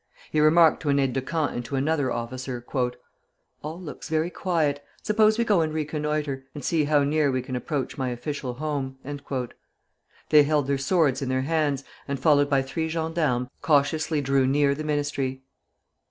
He remarked to an aide de camp and to another officer: "All looks very quiet. Suppose we go and reconnoitre, and see how near we can approach my official home." They held their swords in their hands, and, followed by three gendarmes, cautiously drew near the Ministry.